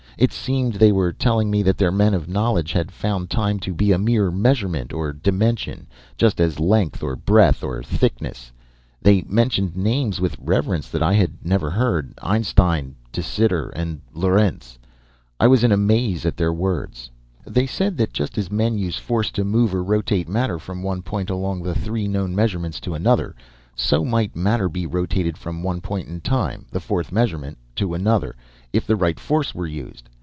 It seemed they were telling that their men of knowledge had found time to be a mere measurement, or dimension, just as length or breadth or thickness. They mentioned names with reverence that I had never heard Einstein and De Sitter and Lorentz. I was in a maze at their words. "They said that just as men use force to move or rotate matter from one point along the three known measurements to another, so might matter be rotated from one point in time, the fourth measurement, to another, if the right force were used.